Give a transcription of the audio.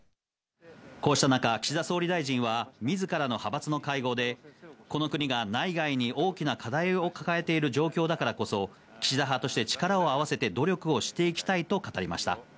こうした中、岸田総理大臣は、みずからの派閥の会合で、この国が内外に大きな課題を抱えている状況だからこそ、岸田派として力を合わせて努力をしていきたいと語りました。